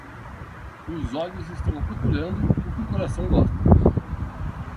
Os olhos estão procurando o que o coração gosta.